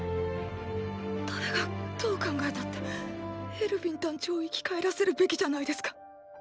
誰がどう考えたってエルヴィン団長を生き返らせるべきじゃないですか